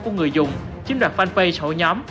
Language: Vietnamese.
của người dùng chiếm đoạt fanpage hội nhóm